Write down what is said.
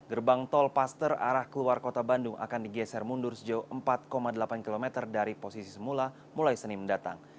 gerbang tol paster arah keluar kota bandung akan digeser mundur sejauh empat delapan km dari posisi semula mulai senin mendatang